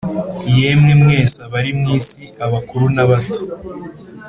yemwe mwese abari mw isi. abakuru n'abato,